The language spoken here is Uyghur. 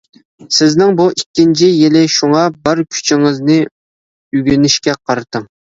سىزنىڭ بۇ ئىككىنچى يىلى، شۇڭا بار كۈچىڭىزنى ئۆگىنىشكە قارىتىڭ.